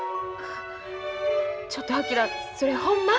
ちょっと昭それほんま？